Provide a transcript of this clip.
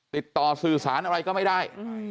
ติดต่อสื่อสารอะไรก็ไม่ได้